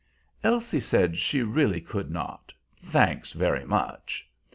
Elsie said she really could not thanks very much.